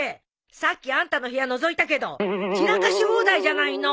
さっきあんたの部屋のぞいたけど散らかし放題じゃないの！